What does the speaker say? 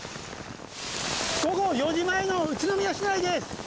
午後４時前の宇都宮市内です。